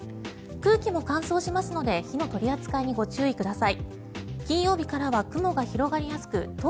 空気も乾燥しますので火の取り扱いにご注意ください。